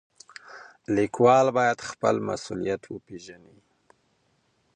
لیکوال باید خپل مسولیت وپېژني.